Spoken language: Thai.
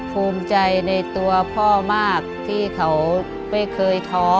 ภูมิใจในตัวพ่อมากที่เขาไม่เคยท้อ